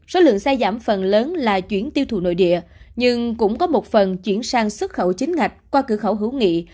số lượng xe giảm phần lớn là chuyển tiêu thụ nội địa nhưng cũng có một phần chuyển sang xuất khẩu chính ngạch qua cửa khẩu hữu nghị